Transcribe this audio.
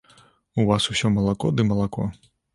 У вас усё малако ды малако.